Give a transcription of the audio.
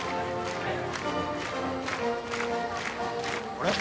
あれ？